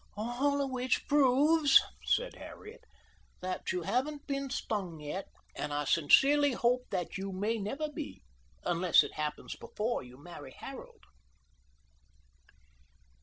"All of which proves," said Harriet, "that you haven't been stung yet, and I sincerely hope that you may never be unless it happens before you marry Harold."